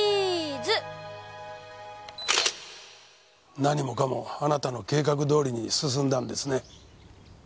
何もかもあなたの計画どおりに進んだんですね？